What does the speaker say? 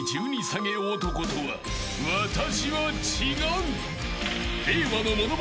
１２下げ男とは私は違う！］